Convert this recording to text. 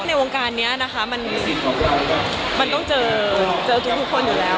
ในวงการนี้นะคะมันต้องเจอทุกคนอยู่แล้ว